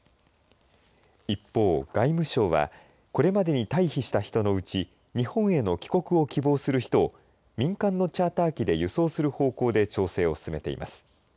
一方、外務省はこれまでに退避した人のうち日本への帰国を希望する人を民間のチャーター機で輸送する方向で調整を進めています。